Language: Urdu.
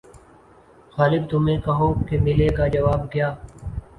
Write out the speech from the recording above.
غالبؔ تمہیں کہو کہ ملے گا جواب کیا